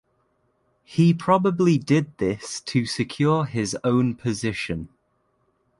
He probably did this to secure his own position.